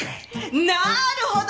なるほど！